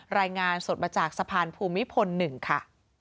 รายงานสดมาจากสะพานภูมิพล๑ค่ะ